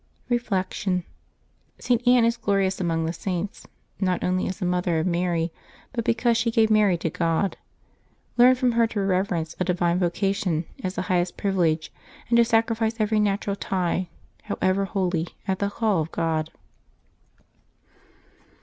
Reflection. — St. Anne is glorious among the Saints, not only as the mother of Mary, but because she gave Mary to God. Learn from her to reverence a divine vocation as the highest privilege, and to sacrifice every natural tie, however holy, at the call of God.